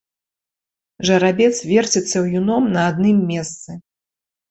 Жарабец верціцца ўюном на адным месцы.